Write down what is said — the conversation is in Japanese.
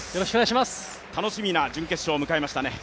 楽しみな準決勝を迎えましたね。